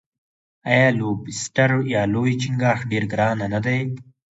آیا لوبسټر یا لوی چنګاښ ډیر ګران نه دی؟